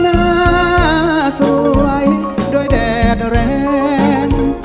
หน้าสวยด้วยแดดแรง